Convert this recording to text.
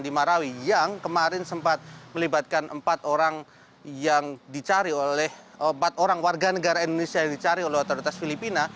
di marawi yang kemarin sempat melibatkan empat orang yang dicari oleh empat orang warga negara indonesia yang dicari oleh otoritas filipina